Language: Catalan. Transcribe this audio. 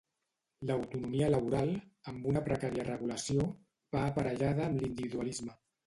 L'autonomia laboral, amb una precària regulació, va aparellada amb l'individualisme.